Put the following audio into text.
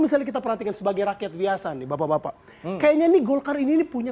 misalnya kita perhatikan sebagai rakyat biasa nih bapak bapak kayaknya nih golkar ini punya